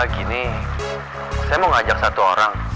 gini saya mau ngajak satu orang